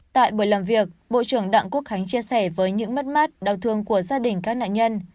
tại buổi làm việc bộ trưởng đặng quốc khánh chia sẻ với những mất mát đau thương của gia đình các nạn nhân